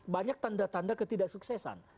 banyak tanda tanda ketidaksuksesan